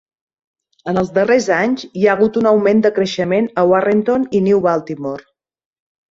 En els darrers anys, hi ha hagut un augment de creixement a Warrenton i New Baltimore.